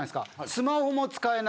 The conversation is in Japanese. スマホも使えない。